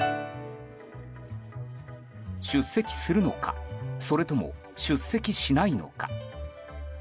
出席するのかそれとも出席しないのか。